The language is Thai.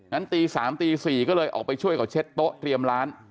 นั้นตีสามตีสี่ก็เลยออกไปช่วยเขาเช็ดโต๊ะเตรียมร้าน